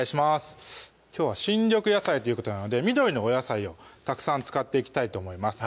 きょうは新緑野菜ということなので緑のお野菜をたくさん使っていきたいと思います